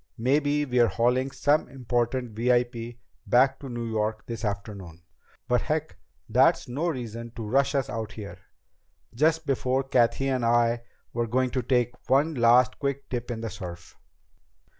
Maybe we're hauling some important VIP back to New York this afternoon. But heck, that's no reason to rush us out here, just before Cathy and I were going to take one last quick dip in the surf."